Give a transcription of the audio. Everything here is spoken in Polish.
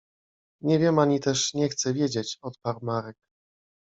— Nie wiem ani też nie chcę wiedzieć! — odparł Marek.